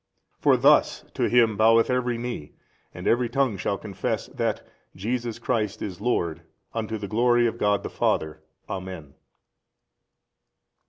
For thus to Him boweth every knee and every tongue shall confess that Jesus Christ is Lord unto the glory of God the Father, Amen.